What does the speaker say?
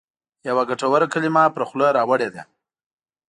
یوه ګټوره کلمه پر خوله راوړې ده.